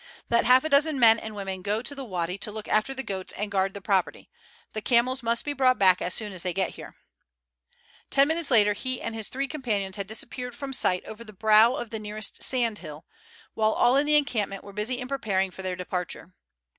Let half a dozen men and women go to the wady to look after the goats and guard the property. The camels must be brought back as soon as they get there." Ten minutes later he and his three companions had disappeared from sight over the brow of the nearest sand hill, while all in the encampment were busy in preparing for their departure.